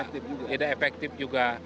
tidak efektif juga